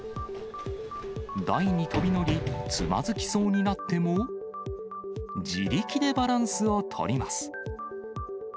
台に飛び乗り、つまずきそうになっても、自力でバランスを取ります。